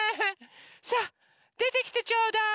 さあでてきてちょうだい。